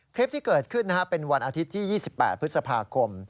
คลิปที่เกิดขึ้นเป็นวันอาทิตย์ที่๒๘พฤษภาคม